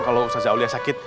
kalau ustazah aulia sakit